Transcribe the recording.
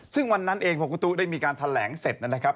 ซึ่งวันนั้นเองพอคุณตุ๊ได้มีการแถลงเสร็จนะครับ